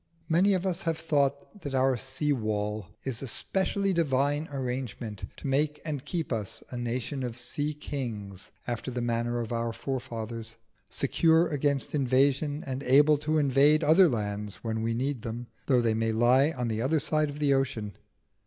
Many of us have thought that our sea wall is a specially divine arrangement to make and keep us a nation of sea kings after the manner of our forefathers, secure against invasion and able to invade other lands when we need them, though they may lie on the other side of the ocean.